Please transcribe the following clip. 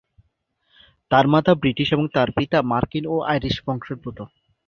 তার মাতা ব্রিটিশ এবং তার পিতা মার্কিন ও আইরিশ বংশোদ্ভূত।